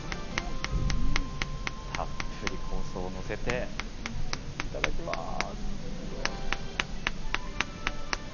たっぷり香草をのせていただきます。